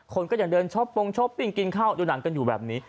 คนก็ยังเดินช้อปปงช้อปปิ้งกินข้าวดูหนังกันอยู่แบบนี้